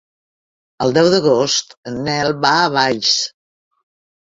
El deu d'agost en Nel va a Valls.